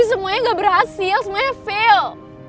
semuanya gak berhasil semuanya fail